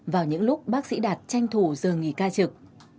vào những lúc bác sĩ đạt tranh thủ giờ nghỉ ca trực